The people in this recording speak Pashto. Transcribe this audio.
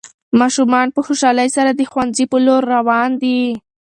ماشومان په خوشحالۍ سره د ښوونځي په لور روان دي.